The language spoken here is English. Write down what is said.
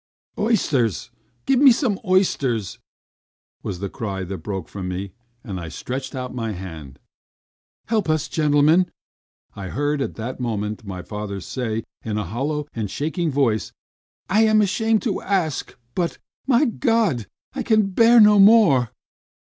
"Oysters! Give me some oysters!" was the cry that broke from me and I stretched out my hand. "Help us, gentlemen!" I heard at that moment my father say, in a hollow and shaking voice. "I am ashamed to ask but my God! I can bear no more!"